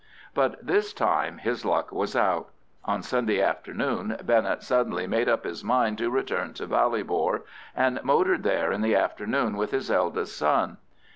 But this time his luck was out. On Sunday afternoon Bennett suddenly made up his mind to return to Ballybor, and motored there in the afternoon with his eldest son.